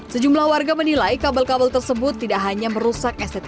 sejumlah warga menilai kabel kabel tersebut tidak hanya berhubungan dengan kabel kabel tersebut